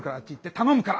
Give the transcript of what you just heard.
頼むから！